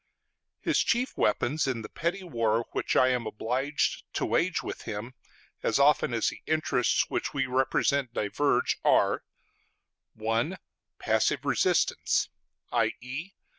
His chief weapons in the petty war which I am obliged to wage with him, as often as the interests which we represent diverge, are: (1) Passive resistance, _i.e.